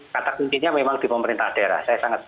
kata pentingnya memang di pemerintah daerah